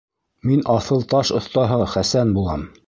— Мин аҫыл таш оҫтаһы Хәсән булам.